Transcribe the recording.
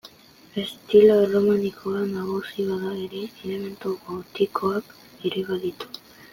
Estilo erromanikoa nagusi bada ere, elementu gotikoak ere baditu.